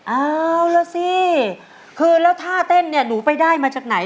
เอาล่ะสิคือแล้วท่าเต้นเนี่ยหนูไปได้มาจากไหน